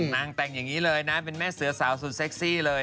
นางแต่งเลยเป็นแม่เสือสาวสุดเซ็กซี่เลย